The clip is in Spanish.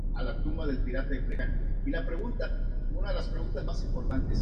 Hay palomas grandes y gaviotas en la playa.